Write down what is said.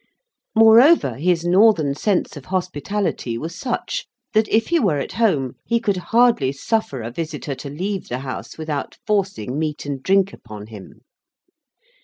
Moreover, his northern sense of hospitality was such, that, if he were at home, he could hardly suffer a visitor to leave the house without forcing meat and drink upon him.